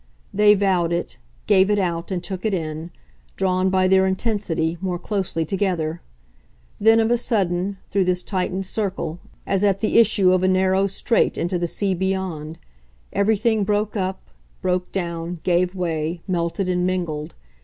They vowed it, gave it out and took it in, drawn, by their intensity, more closely together. Then of a sudden, through this tightened circle, as at the issue of a narrow strait into the sea beyond, everything broke up, broke down, gave way, melted and mingled.